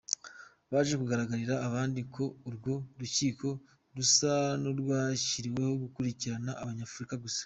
Byaje kugaragarira abandi ko urwo rukiko rusa n’urwashyiriweho gukurikirana Abanyafurika gusa.